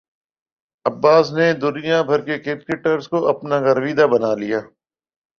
عباس نے دنیا بھر کے کرکٹرز کو اپنا گرویدہ بنا لیا